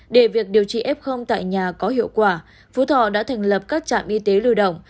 để việc điều trị f tại nhà có hiệu quả phú thọ đã thành lập các trạm y tế lưu động